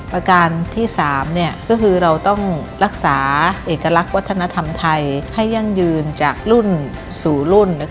ประการที่๓ก็คือเราต้องรักษาเอกลักษณ์วัฒนธรรมไทยให้ยั่งยืนจากรุ่นสู่รุ่น